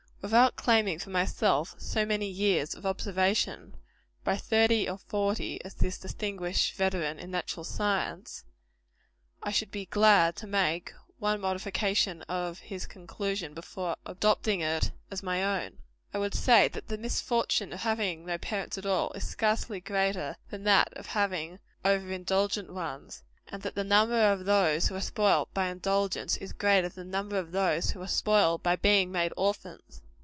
Without claiming for myself so many years of observation, by thirty or forty, as this distinguished veteran in natural science, I should be glad to make one modification of his conclusion, before adopting it as my own. I would say, that the misfortune of having no parents at all, is scarcely greater than that of having over indulgent ones; and that the number of those who are spoiled by indulgence, is greater than the number of those who are spoiled by being made orphans.